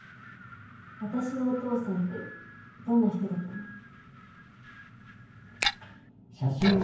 私のお父さんってどんな人だったの？